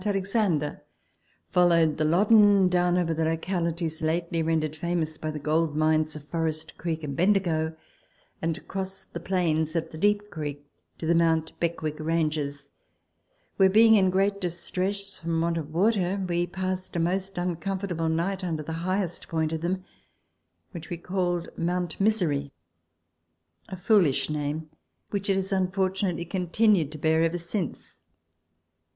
Alexander, followed the Loddon down over the localities lately rendered famous by the gold mines of Forest Creek and Ben digo, and crossed the plains at the Deep Creek to the Mount Beckwith Ranges, where, being in great distress from want of water, we passed a most uncomfortable night under the highest point of them, which we called Mount Misery a foolish name, which it has unfortunately continued to bear ever since.